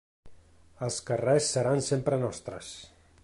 Els carrers seran sempre nostres.